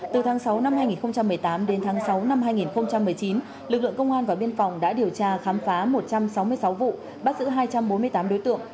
từ tháng sáu năm hai nghìn một mươi tám đến tháng sáu năm hai nghìn một mươi chín lực lượng công an và biên phòng đã điều tra khám phá một trăm sáu mươi sáu vụ bắt giữ hai trăm bốn mươi tám đối tượng